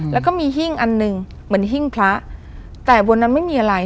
แล้วก็มีหิ้งอันหนึ่งเหมือนหิ้งพระแต่บนนั้นไม่มีอะไร